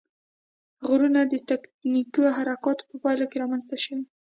غرونه د تکتونیکي حرکاتو په پایله کې رامنځته شوي.